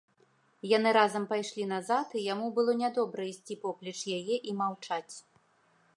Яны разам пайшлі назад, і яму было нядобра ісці поплеч яе і маўчаць.